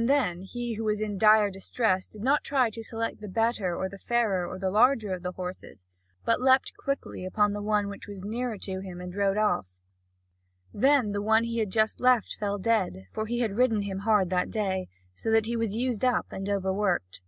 Then he who was in dire distress did not try to select the better or the fairer or the larger of the horses, but leaped quickly upon the one which was nearer to him, and rode him off. Then the one he had just left fell dead, for he had ridden him hard that day, so that he was used up and overworked.